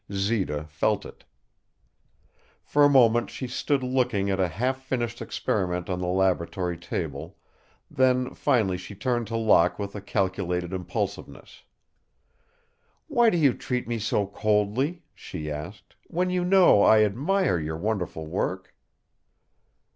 Zita felt it. For a moment she stood looking at a half finished experiment on the laboratory table, then finally she turned to Locke with a calculated impulsiveness. "Why do you treat me so coldly," she asked, "when you know I admire your wonderful work?"